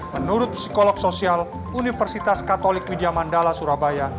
menurut psikolog sosial universitas katolik widyamandala surabaya